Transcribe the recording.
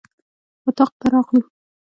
اطاق ته راغلو.